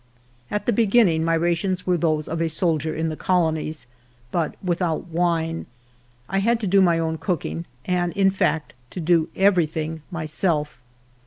At the beginning, my rations were those of a soldier in the colonies, but without wine. I had to do my own cooking, and in fact to do every thing myself.